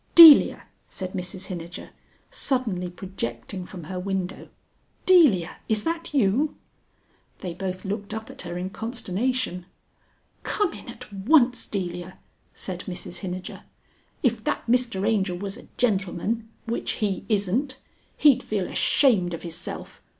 "Delia!" said Mrs Hinijer, suddenly projecting from her window; "Delia, is that you?" They both looked up at her in consternation. "Come in at once, Delia," said Mrs Hinijer. "If that Mr Angel was a gentleman (which he isn't), he'd feel ashamed of hisself.